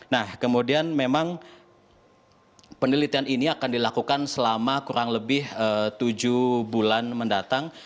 nah kemudian memang penelitian ini akan dilakukan selama kurang lebih tujuh bulan mendatang